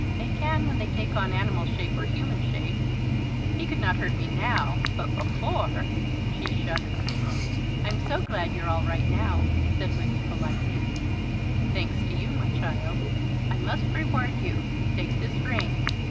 "They can when they take on animal shape or human shape. He could not hurt me now, but before " She shuddered. "I'm so glad you're all right now," said Wiggs politely. "Thanks to you, my child. I must reward you. Take this ring.